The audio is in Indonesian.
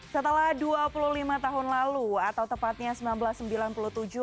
setelah dua puluh lima tahun lalu atau tepatnya seminggu